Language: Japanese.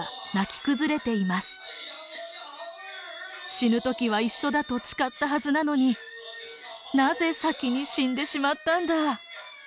「死ぬ時は一緒だと誓ったはずなのになぜ先に死んでしまったんだ」。